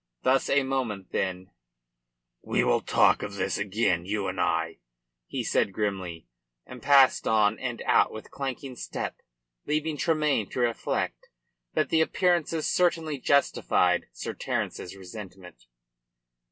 Thus a moment. Then: "We will talk of this again, you and I," he said grimly, and passed on and out with clanking step, leaving Tremayne to reflect that the appearances certainly justified Sir Terence's resentment.